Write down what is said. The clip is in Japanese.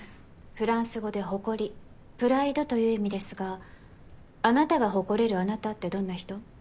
フランス語で誇りプライドという意味ですがあなたが誇れるあなたってどんな人？